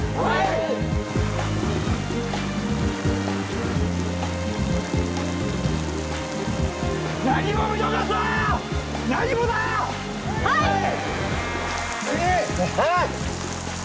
はい！